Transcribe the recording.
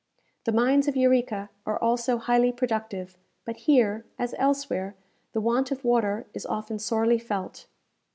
The mines of Eureka are also highly productive; but here, as elsewhere, the want of water is often sorely felt.